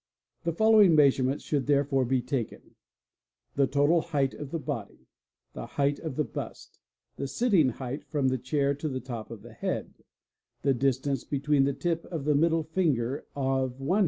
The following || measurements should therefore be taken :—the total height of the body, tl le height of the bust, the sitting height from the chair to the top of the head, the distance between the tip of the middle finger of one hand and a 35